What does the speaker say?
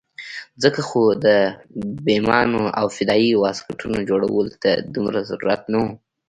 ځکه خو د بمانو او فدايي واسکټونو جوړولو ته دومره ضرورت نه وو.